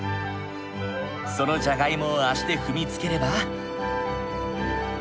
そのじゃがいもを足で踏みつければ。